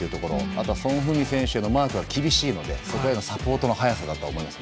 あとはソン・フンミン選手のマークが厳しいのでそこへのサポートの速さだと思います。